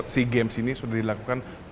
sea games ini sudah dilakukan